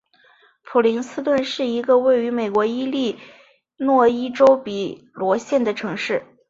普林斯顿是一个位于美国伊利诺伊州比罗县的城市。